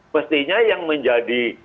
pastinya yang menjadi